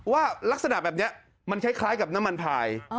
ลักษณะแบบนี้มันคล้ายกับน้ำมันพาย